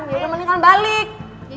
ya mending kalian balik